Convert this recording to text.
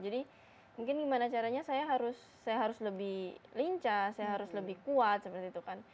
jadi mungkin gimana caranya saya harus lebih lincah saya harus lebih kuat seperti itu kan